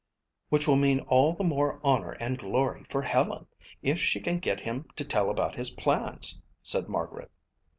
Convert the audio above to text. "Which will mean all the more honor and glory for Helen if she can get him to tell about his plans," said Margaret.